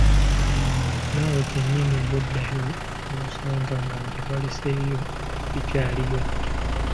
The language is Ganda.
Naawe kennyini bw‘oddayo n‘osanga nga bye waleseeyo bikyaliyo.